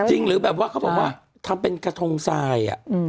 หรือแบบว่าเขาบอกว่าทำเป็นกระทงทราย